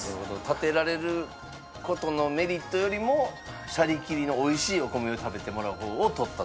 立てられる事のメリットよりもシャリ切りのおいしいお米を食べてもらう方を取ったという。